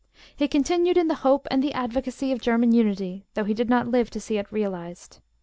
He continued in the hope and the advocacy of German unity, though he did not live to see it realized.